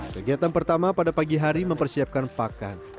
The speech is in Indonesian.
kegiatan pertama pada pagi hari mempersiapkan pakan